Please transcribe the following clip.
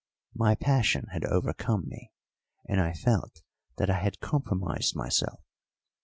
My passion had overcome me, and I felt that I had compromised myself.